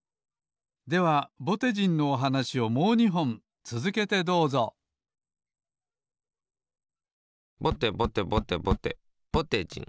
ではぼてじんのおはなしをもう２ほんつづけてどうぞぼてぼてぼてぼてぼてじん。